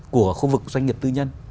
của khu vực doanh nghiệp tư nhân